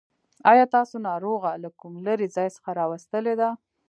آيا تاسو ناروغه له کوم لرې ځای څخه راوستلې ده.